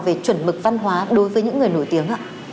về chuẩn mực văn hóa đối với những người nổi tiếng ạ